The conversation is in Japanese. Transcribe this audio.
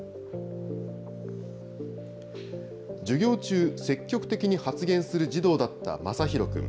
授業中、積極的に発言する児童だったまさひろ君。